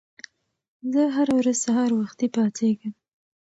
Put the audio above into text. زه هره ورځ سهار وختي پاڅېږم.